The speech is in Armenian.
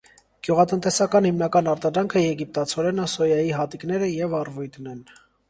Գյուղատնտեսական հիմնական արտադրանքը եգիպտացորենը, սոյայի հատիկները և առվույտն են։